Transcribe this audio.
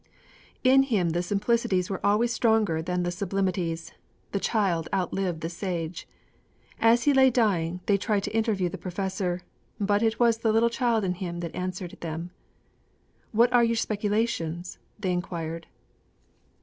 In him the simplicities were always stronger than the sublimities; the child outlived the sage. As he lay dying they tried to interview the professor, but it was the little child in him that answered them. 'What are your speculations?' they inquired.